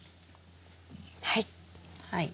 はい。